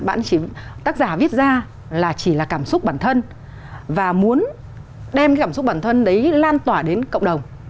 bản chỉ tác giả viết ra là chỉ là cảm xúc bản thân và muốn đem cảm xúc bản thân đấy lan tỏa đến cộng đồng